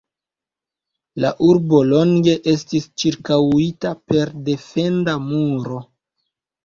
La urbo longe estis ĉirkaŭita per defenda muro.